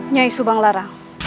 nyai subang larang